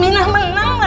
minah menang gak